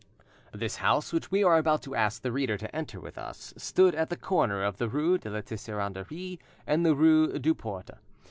This house, which we are about to ask the reader to enter with us, stood at the corner of the rue de la Tixeranderie and the rue Deux Portes.